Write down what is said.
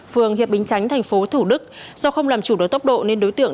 phường hiệp bình chánh thành phố thủ đức do không làm chủ đối tốc độ nên đối tượng